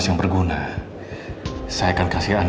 ya besok siang